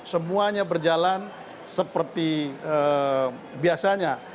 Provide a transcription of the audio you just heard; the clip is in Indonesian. semuanya berjalan seperti biasanya